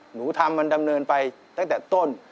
หนูทำมันดำเนินไปตั้งแต่ต้น